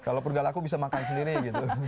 kalau purgalaku bisa makan sendiri gitu